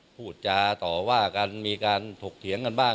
พูดจาต่อว่ากันมีการถกเถียงกันบ้าง